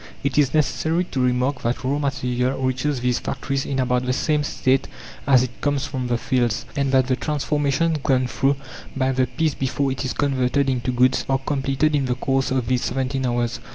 It is necessary to remark that raw material reaches these factories in about the same state as it comes from the fields, and that the transformations gone through by the piece before it is converted into goods are completed in the course of these 17 hours.